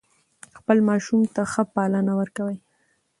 خپل ماشوم ته ښه پالنه ورکوي.